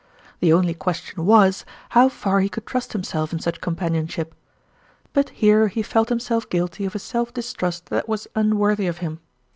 The only question was, how far he could trust himself in such companionship. But here he felt himself guilty of a self distrust that was unworthy of him.